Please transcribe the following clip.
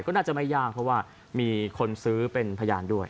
ก็น่าจะไม่ยากเพราะว่ามีคนซื้อเป็นพยานด้วย